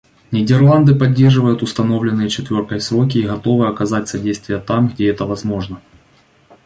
Нидерланды поддерживают установленные «четверкой» сроки и готовы оказать содействие там, где это возможно.